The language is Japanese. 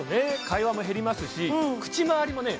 会話も減りますし口まわりもね